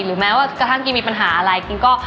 แม้ว่ากระทั่งกิ๊งมีปัญหาอะไรกินก็